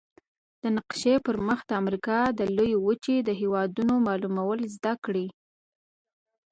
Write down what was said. د نقشي پر مخ د امریکا د لویې وچې د هېوادونو معلومول زده کړئ.